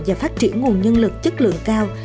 và phát triển nguồn nhân lực chất lượng cao